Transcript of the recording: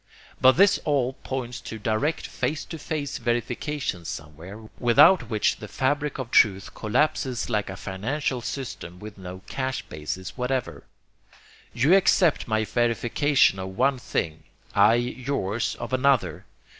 But this all points to direct face to face verifications somewhere, without which the fabric of truth collapses like a financial system with no cash basis whatever. You accept my verification of one thing, I yours of another.